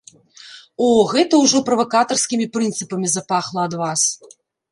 О, гэта ўжо правакатарскімі прынцыпамі запахла ад вас!